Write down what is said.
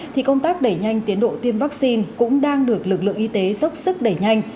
thì công tác đẩy nhanh tiến độ tiêm vaccine cũng đang được lực lượng y tế dốc sức đẩy nhanh